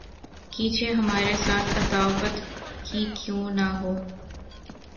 کیجئے ہمارے ساتھ‘ عداوت ہی کیوں نہ ہو